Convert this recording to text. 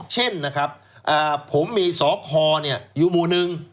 เช่นนะครับผมมีสคอยู่หมู่หนึ่ง